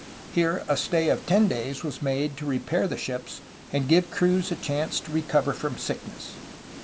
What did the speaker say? Here a stay of ten days was made to repair the ships and give the crews a chance to recover from sickness.